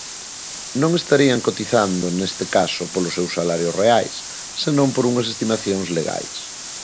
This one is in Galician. Non estarían cotizando neste caso polos seus salarios reais, senón por unhas estimacións legais.